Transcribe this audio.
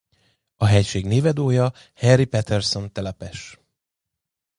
A helység névadója Henry Patterson telepes.